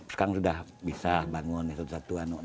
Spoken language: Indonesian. sekarang sudah bisa bangun satu satuan